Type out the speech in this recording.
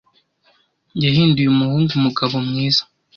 Yahinduye umuhungu umugabo mwiza.